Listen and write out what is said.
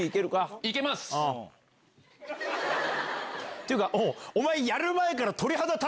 っていうかお前。